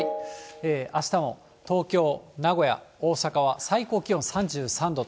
あしたも東京、名古屋、大阪は最高気温３３度と。